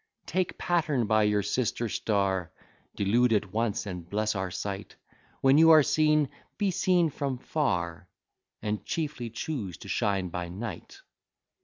Take pattern by your sister star; Delude at once and bless our sight; When you are seen, be seen from far, And chiefly choose to shine by night.